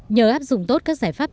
nhớ áp dụng tốt các giải pháp trang trại